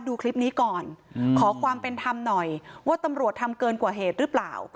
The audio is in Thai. ดูคลิปนี้ก่อนขอความเป็นธรรมหน่อยว่าตำรวจทำเกินกว่าเหตุหรือเปล่า